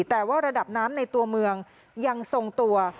แต่ว่าระดับน้ำในตัวเมืองยังทรงตัว